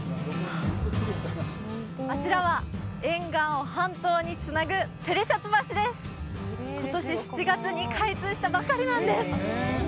あちらは沿岸を半島につなぐペリェシャツ橋ですしたばかりなんです！